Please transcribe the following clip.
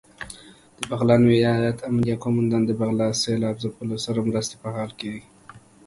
دبغلان ولايت امنيه قوماندان دبغلان د سېلاب ځپلو خلکو سره دمرستې په حال کې